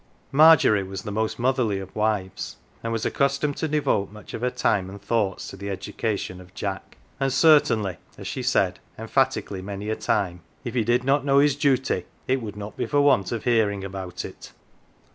Margery was the most motherly of wives, and was accustomed to devote much of her time and thoughts to the education x>f Jack ; and " certainly, 11 as she said .121 "THE GILLY F'ERS" emphatically many a time, " if he did not know his duty it would not be for want of hearing about it."